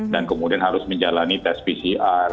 kemudian harus menjalani tes pcr